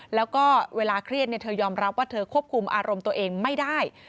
แล้วก็เวลาเครียดเธอยอมรับว่าเธอควบคุมอารมณ์ตัวเองไม่ได้